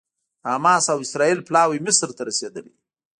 د حماس او اسرائیل پلاوي مصر ته رسېدلي